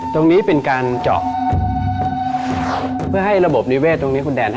ต้องต้องไปหาคุณแดน